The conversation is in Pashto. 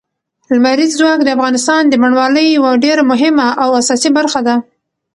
لمریز ځواک د افغانستان د بڼوالۍ یوه ډېره مهمه او اساسي برخه ده.